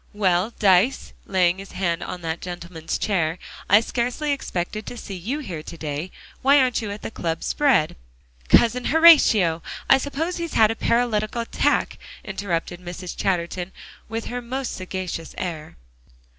Well, Dyce," laying his hand on that gentleman's chair, "I scarcely expected to see you here to day. Why aren't you at the club spread?" "Cousin Horatio! I suppose he's had a paralytic attack," interrupted Mrs. Chatterton, with her most sagacious air.